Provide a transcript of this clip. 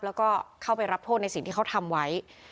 แล้วก็เข้าไปรับโทษในสิ่งที่เขาทำไว้